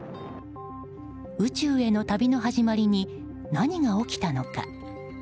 宇宙への旅の始まりに何が起きたのか。